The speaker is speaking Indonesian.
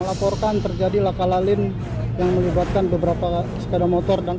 laporkan terjadi laka lalin yang melibatkan beberapa sepeda motor dan